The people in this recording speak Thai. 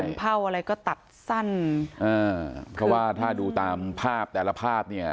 ผมเพ่าอะไรก็ตัดสั้นเขาว่าถ้าดูตามภาพแต่ละภาพเนี่ย